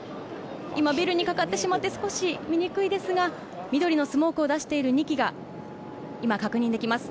今、ビルにかかってしまって少し見にくいですが、緑のスモークを出している２機が、今確認できます。